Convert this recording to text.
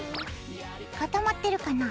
固まってるかな？